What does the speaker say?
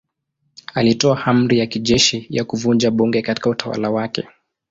Alitoa amri ya kijeshi ya kuvunja bunge katika utawala wake.